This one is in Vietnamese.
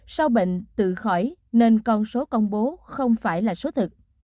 sâu bệnh tự khỏi nên con số công bố không phải là số thực